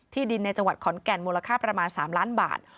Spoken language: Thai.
ดินในจังหวัดขอนแก่นมูลค่าประมาณ๓ล้านบาท